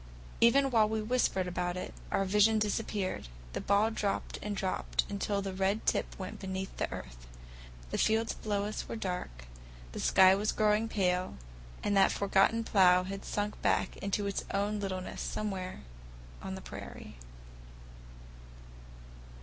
Even while we whispered about it, our vision disappeared; the ball dropped and dropped until the red tip went beneath the earth. The fields below us were dark, the sky was growing pale, and that forgotten plough had sunk back to its own littleness somewhere on the prairie.